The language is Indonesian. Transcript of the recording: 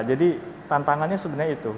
jadi tantangannya sebenarnya itu